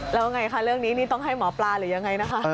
แล้วยังไงคะเรื่องนี้นี่ต้องให้หมอปลาหรือยังไงนะคะ